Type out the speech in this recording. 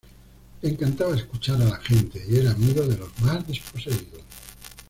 Le encantaba escuchar a la gente y era amigo de los más desposeídos.